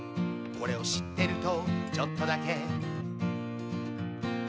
「これを知ってるとちょっとだけ」